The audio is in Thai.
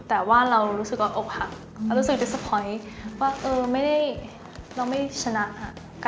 แต่ว่ารู้สึกว่าอกหักรู้สึกว่าไม่ได้ชนะ